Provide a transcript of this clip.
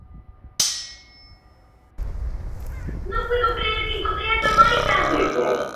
Trabajó para su amado mundo del teatro, realizando escenografías e ideando afiches.